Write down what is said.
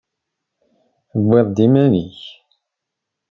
Tewwiḍ-d iman-ik.